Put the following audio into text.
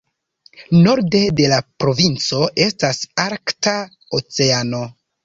Norde de la provinco estas Arkta Oceano.